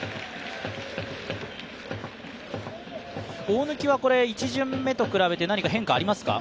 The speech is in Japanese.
大貫は１巡目と比べて何か変化ありますか？